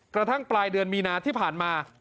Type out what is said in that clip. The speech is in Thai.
กระทั่งปลายเดือนมีนาที่ผ่านมา